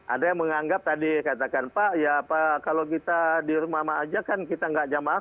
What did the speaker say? ada yang menganggap tadi katakan pak ya kalau kita di rumah aja kan kita nggak jamaah